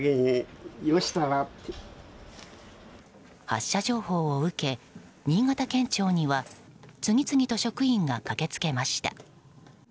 発射情報を受け、新潟県庁には次々と職員が駆けつけました。